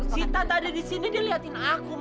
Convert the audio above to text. sita tadi di sini dia lihatin aku